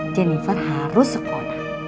jennifer harus sekolah